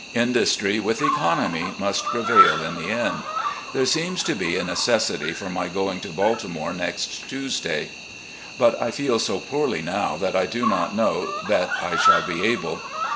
Industry with economy must prevail in the end. There seems to be a necessity for my going to Baltimore next Tuesday, but I feel so poorly now that I do not know that I shall be able.